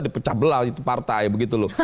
dipecah belah itu partai begitu loh